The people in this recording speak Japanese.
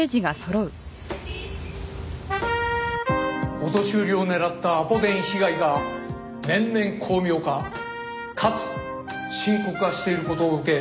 お年寄りを狙ったアポ電被害が年々巧妙化かつ深刻化している事を受け